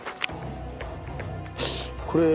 これ。